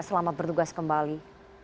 selamat bertugas kembali